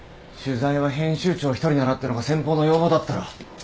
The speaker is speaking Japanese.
「取材は編集長１人なら」ってのが先方の要望だったろ。